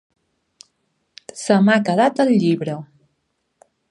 Se m'ha quedat el llibre.